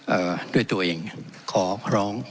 ผมจะสรุปย่อยแล้วก็ให้เป็นความเหมาะสมที่พระจะพูดได้ในสภาแห่งนี้